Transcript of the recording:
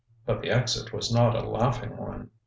But the exit was not a laughing one.